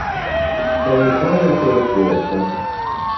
È un cane a pelo corto.